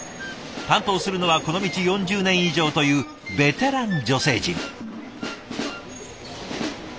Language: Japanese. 担当するのはこの道４０年以上というベテラン女性陣。